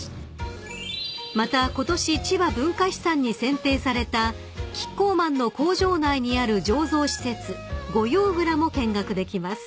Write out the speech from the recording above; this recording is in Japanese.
［またことしちば文化資産に選定されたキッコーマンの工場内にある醸造施設御用蔵も見学できます］